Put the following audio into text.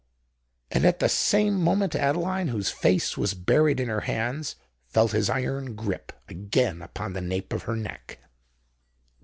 And at the same moment Adeline, whose face was buried in her hands, felt his iron grasp again upon the nape of her neck.